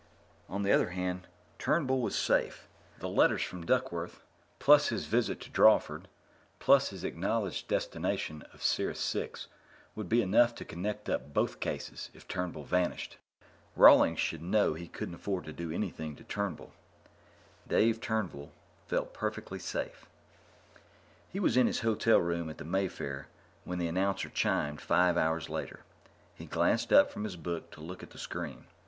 On the other hand, Turnbull was safe. The letters from Duckworth, plus his visit to Drawford, plus his acknowledged destination of Sirius IV, would be enough to connect up both cases if Turnbull vanished. Rawlings should know he couldn't afford to do anything to Turnbull. Dave Turnbull felt perfectly safe. He was in his hotel room at the Mayfair when the announcer chimed, five hours later. He glanced up from his book to look at the screen.